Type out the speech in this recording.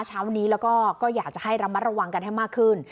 เช้าวันนี้แล้วก็อยากจะให้ระมัดระวังกันให้มากขึ้น